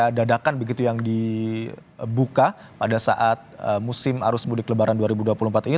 ada dadakan begitu yang dibuka pada saat musim arus mudik lebaran dua ribu dua puluh empat ini